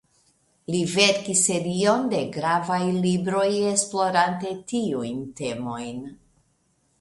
Li verkis serion de gravaj libroj esplorante tiujn temojn.